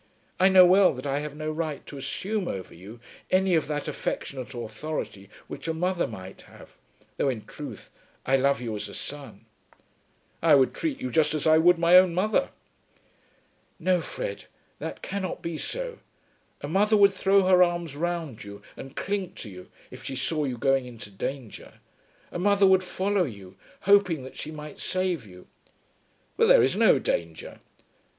I know well that I have no right to assume over you any of that affectionate authority which a mother might have, though in truth I love you as a son." "I would treat you just as I would my own mother." "No, Fred; that cannot be so. A mother would throw her arms round you and cling to you if she saw you going into danger. A mother would follow you, hoping that she might save you." "But there is no danger."